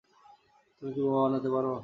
তুমি কি বোমা বানাতে পারো?